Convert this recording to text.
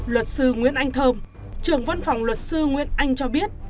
luật sư nguyễn anh thơm trưởng văn phòng luật sư nguyễn anh cho biết